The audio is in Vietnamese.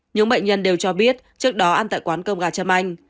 những bệnh nhân đều cho biết trước đó ăn tại quán cơm gà châm anh